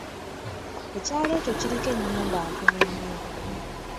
Ekyalo ekyo kiriko ennyumba ntono nnyo.